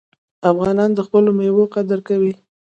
افغانان د خپلو میوو قدر کوي.